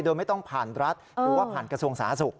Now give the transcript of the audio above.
โดยไม่ต้องผ่านรัฐหรือว่าผ่านกระทรวงสาธารณสุข